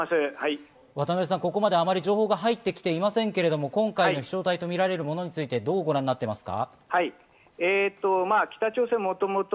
渡邊さん、ここまであまり情報が入ってきていませんけれども、今回、気象台とみられるものについてどうご覧になっていますか？